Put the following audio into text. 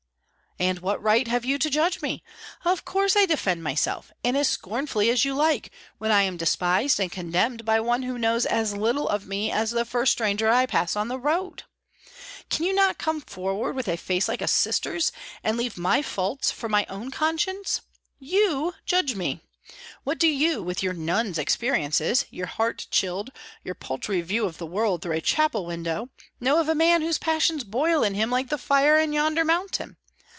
"And what right have you to judge me? Of course I defend myself, and as scornfully as you like, when I am despised and condemned by one who knows as little of me as the first stranger I pass on the road. Cannot you come forward with a face like a sister's, and leave my faults for my own conscience? You judge me! What do you, with your nun's experiences, your heart chilled, your paltry view of the world through a chapel window, know of a man whose passions boil in him like the fire in yonder mountain?